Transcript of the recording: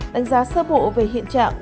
đánh giá sơ bộ về hiện trạng